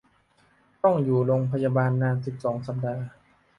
ต้องอยู่โรงพยาบาลนาน สิบสอง สัปดาห์